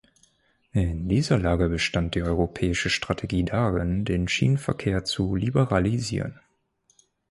In dieser Lage bestand die europäische Strategie darin, den Schienenverkehr zu liberalisieren.